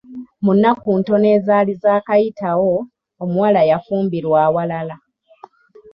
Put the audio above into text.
Mu nnaku ntono ezaali zakayitawo, omuwala yafumbirwa awalala.